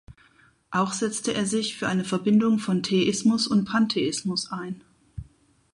Auch setzte er sich für eine Verbindung von Theismus und Pantheismus ein.